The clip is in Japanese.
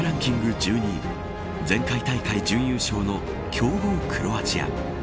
１２位前回大会準優勝の強豪クロアチア。